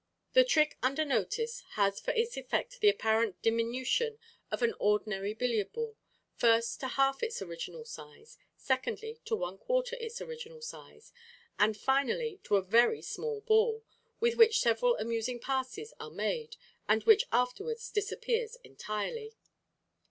—The trick under notice has for its effect the apparent diminution of an ordinary billiard ball, first to half its original size, secondly, to one quarter its original size, and, finally, to a very small ball, with which several amusing passes are made, and which afterwards disappears entirely.